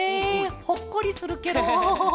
ほっこりするケロ。